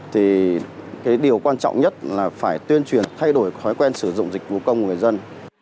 thì cái điều quan trọng nhất là phải tuyên truyền thay đổi thói quen sử dụng dịch vụ công người dân